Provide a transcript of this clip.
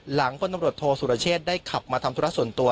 คนตำรวจโทษสุรเชษได้ขับมาทำธุระส่วนตัว